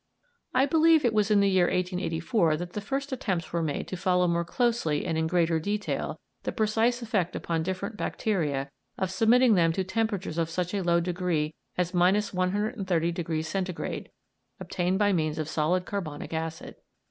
I believe it was in the year 1884 that the first attempts were made to follow more closely and in greater detail the precise effect upon different bacteria of submitting them to temperatures of such a low degree as 130° C., obtained by means of solid carbonic acid.